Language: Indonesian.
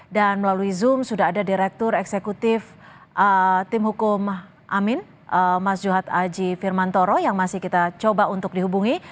dan melalui zoom sudah ada direktur eksekutif tim hukum amin mas juhat aji firman toro yang masih kita coba untuk dihubungi